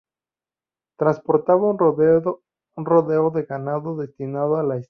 Transportaba un rodeo de ganado destinado a la estancia.